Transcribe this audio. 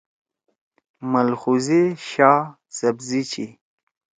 ملخوزے شا سبزی چھی۔